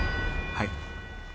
はい。